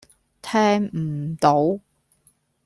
聽唔到